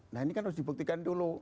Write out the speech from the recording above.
nah ini kan harus dibuktikan dulu